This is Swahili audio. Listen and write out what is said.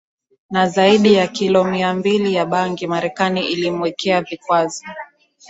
na zaidi ya kilo Mia mbili za bangiMarekani ilimwekea vikwazo